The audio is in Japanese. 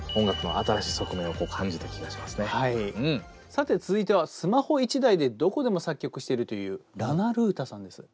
さて続いてはスマホ１台でどこでも作曲しているというラナルータさんです。